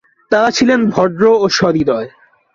তাঁরা ছিলেন ভদ্র ও সহৃদয়।